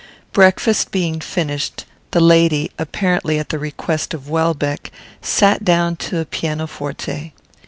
Breakfast being finished, the lady, apparently at the request of Welbeck, sat down to a piano forte.